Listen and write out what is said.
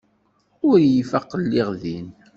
Ur iyi-ifaq lliɣ din.